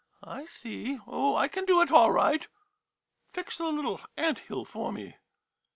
I see — Oh, I can do it all right. Fix the little ant hill for me.